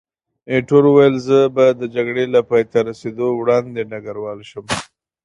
ایټور وویل، زه به د جګړې له پایته رسېدو وړاندې ډګروال شم.